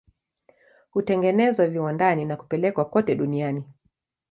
Hutengenezwa viwandani na kupelekwa kote duniani.